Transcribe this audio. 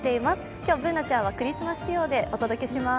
今日、Ｂｏｏｎａちゃんはクリスマス仕様でお届けします。